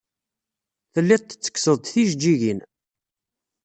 Telliḍ tettekkseḍ-d tijejjigin.